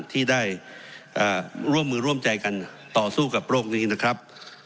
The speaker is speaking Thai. ที่ได้ร่วมมือร่วมใจกันต่อสู้กับโรคนี้นะครับ